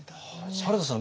原田さん